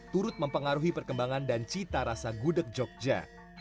turut mempengaruhi perkembangan dan cita rasa gudeg jogja